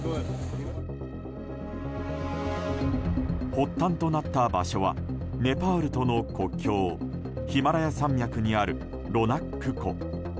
発端となった場所はネパールとの国境ヒマラヤ山脈にあるロナック湖。